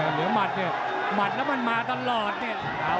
เหนือหมัดเนี่ยหมัดแล้วมันมาตลอดเนี่ย